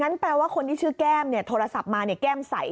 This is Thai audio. งั้นแปลว่าคนที่ชื่อแก้มเนี่ยโทรศัพท์มาเนี่ยแก้มใส